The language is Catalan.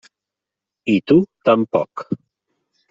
I tu tampoc.